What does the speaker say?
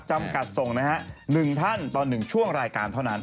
จำกัดส่งนะฮะ๑ท่านต่อ๑ช่วงรายการเท่านั้น